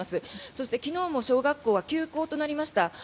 そして昨日も小学校は休校となりました。